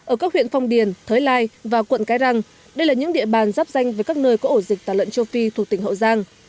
ở các huyện phong điền thới lai và quận cái răng đây là những địa bàn giáp danh với các nơi có ổ dịch tà lợn châu phi thuộc tỉnh hậu giang